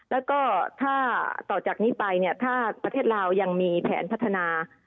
แล้วก็ถ้าต่อจากนี้ไปเนี่ยถ้าประเทศลาวยังมีแผนพัฒนา